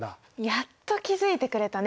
やっと気付いてくれたね。